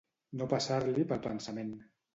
No passar-li pel pensament.